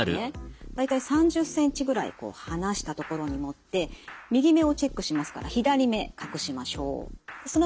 大体３０ｃｍぐらい離した所に持って右目をチェックしますから左目隠しましょう。